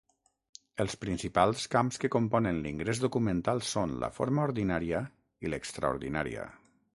Els principals camps que componen l'ingrés documental són la forma ordinària i l'extraordinària.